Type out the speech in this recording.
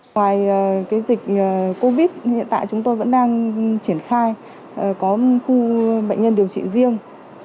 ngoài dịch covid hiện tại chúng tôi vẫn đang triển khai có khu bệnh nhân điều trị riêng